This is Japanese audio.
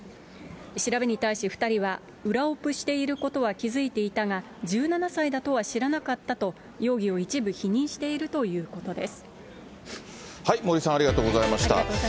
調べに対し、２人は、裏オプしていることは気付いていたが、１７歳だとは知らなかったと、容疑を一部否認しているということです。